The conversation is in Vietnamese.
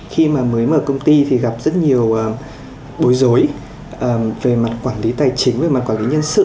khi mà mới mở công ty thì gặp rất nhiều bối rối về mặt quản lý tài chính về mặt quản lý nhân sự